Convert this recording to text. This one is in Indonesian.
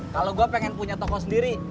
kalau gue pengen punya toko sendiri